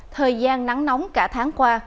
thời gian nắng nóng cả tháng qua